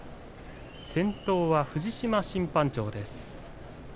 先頭は藤島審判長です。